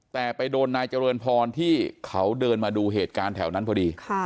แต่ไปโดนนายเจริญพรที่เขาเดินมาดูเหตุการณ์แถวนั้นพอดี